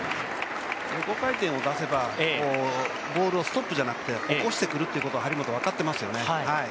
横回転を出せばボールをストップじゃなくて起こしてくるって張本分かってますよね。